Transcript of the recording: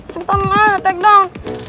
cepetan lah take down